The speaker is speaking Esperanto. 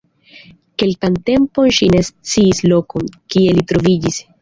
Kelkan tempon ŝi ne sciis lokon, kie li troviĝis.